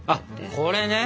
あっこれね。